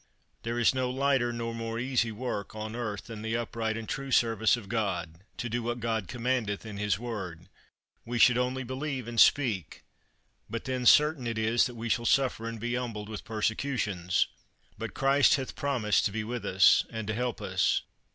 There is no lighter nor more easy work on earth than the upright and true service of God, to do what God commandeth in his Word; we should only believe and speak, but then certain it is that we shall suffer and be humbled with persecutions; but Christ hath promised to be with us, and to help us.